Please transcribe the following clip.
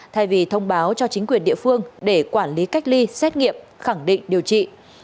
thay vì thông báo cho chính quyền địa phương để quản lý cách ly xét nghiệm khẳng định điều trị